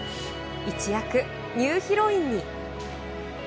一躍ニューヒロインに。